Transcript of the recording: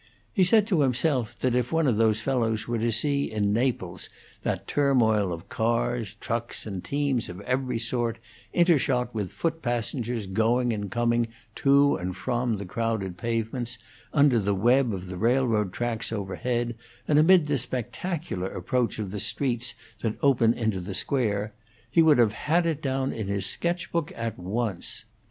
He said to himself that if one of those fellows were to see in Naples that turmoil of cars, trucks, and teams of every sort, intershot with foot passengers going and coming to and from the crowded pavements, under the web of the railroad tracks overhead, and amid the spectacular approach of the streets that open into the square, he would have it down in his sketch book at once.